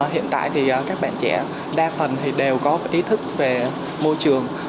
hiện tại các bạn trẻ đa phần đều có ý thức về môi trường